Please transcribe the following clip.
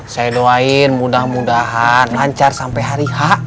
saya doain mudah mudahan lancar sampai hari h